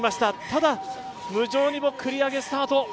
ただ、無情にも繰り上げスタート。